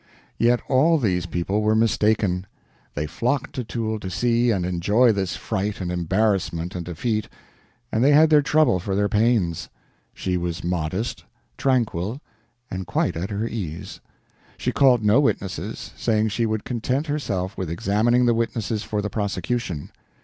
Yet all these people were mistaken. They flocked to Toul to see and enjoy this fright and embarrassment and defeat, and they had their trouble for their pains. She was modest, tranquil, and quite at her ease. She called no witnesses, saying she would content herself with examining the witnesses for the prosecution.